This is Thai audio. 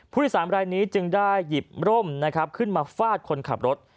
ผู้โดยสารรายนี้จึงได้หยิบร่มนะครับขึ้นมาฟาดคนขับรถ